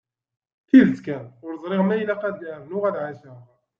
Tidet kan, ur ẓriɣ ma ilaq ad rnuɣ ad ɛaceɣ.